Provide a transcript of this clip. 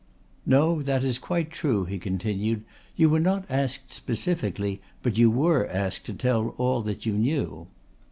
"No, that is quite true," he continued, "you were not asked specifically, but you were asked to tell all that you knew."